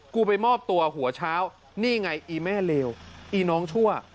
ไปมอบตัวหัวเช้านี่ไงอีแม่เลวอีน้องชั่ว